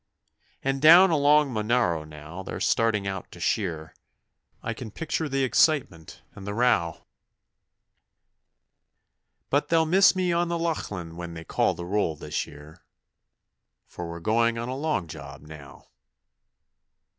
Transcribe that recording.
And down along Monaro now they're starting out to shear, I can picture the excitement and the row; But they'll miss me on the Lachlan when they call the roll this year, For we're going on a long job now.